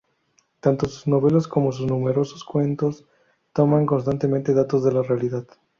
Tanto sus novelas como sus numerosos cuentos toman constantemente datos de la realidad.